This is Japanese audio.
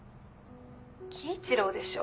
貴一郎でしょ？